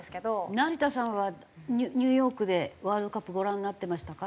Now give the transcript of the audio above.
成田さんはニューヨークでワールドカップご覧になっていましたか？